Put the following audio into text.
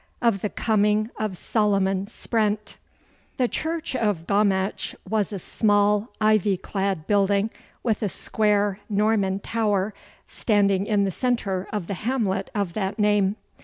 Of the Coming of Solomon Sprent The church of Gommatch was a small ivy clad building with a square Norman tower, standing in the centre of the hamlet of that name.